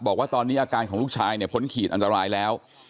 บอกว่าตอนนี้อาการของลูกชายเนี่ยพ้นขีดอันตรายแล้ว